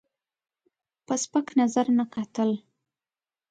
په سپک نظر نه کتل.